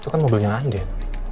itu kan mobilnya andin